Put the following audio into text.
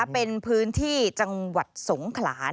เป็นพื้นที่จังหวัดสงขลา